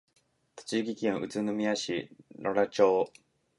栃木県宇都宮市鐺山町